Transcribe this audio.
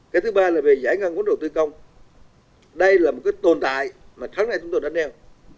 cái thứ ba là về giải ngân vốn đầu tư công đây là một cái tồn tại mà sáng nay chúng tôi đã nêu